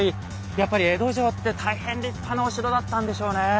やっぱり江戸城って大変立派なお城だったんでしょうね。